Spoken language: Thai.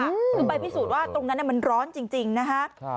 คือไปพิสูจน์ว่าตรงนั้นมันร้อนจริงนะฮะ